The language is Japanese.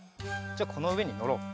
じゃあこのうえにのろう。